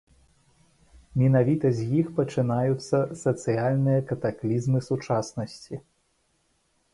Менавіта з іх пачынаюцца сацыяльныя катаклізмы сучаснасці.